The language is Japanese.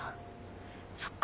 そっか。